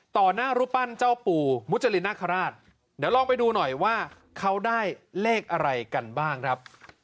ต่อหน้ารูปปั้นเจ้าปู่มุจรินนาคาราชเดี๋ยวลองไปดูหน่อยว่าเขาได้เลขอะไรกันบ้างครับ